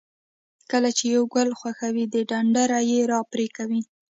کله چې یو ګل خوښوئ د ډنډره یې را پرې کوئ.